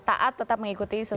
taat tetap mengikuti sesuai